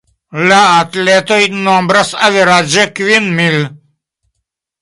La atletoj nombras averaĝe kvin mil.